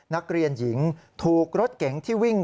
นักเรียนหญิงถูกรถเก๋งที่วิ่ง